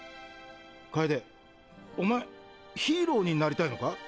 楓お前ヒーローになりたいのか？